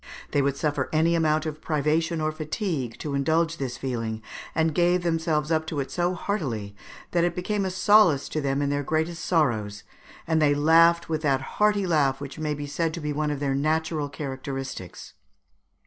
They would suffer any amount of privation or fatigue to indulge this feeling, and they gave themselves up to it so heartily that it became a solace to them in their greatest sorrows, and they laughed with that hearty laugh which may be said to be one of their natural characteristics.